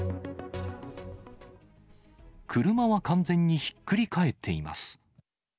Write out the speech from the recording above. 車は完全にひっくり返っています。